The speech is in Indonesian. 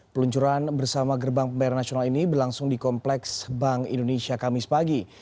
peluncuran bersama gerbang pembayaran nasional ini berlangsung di kompleks bank indonesia kamis pagi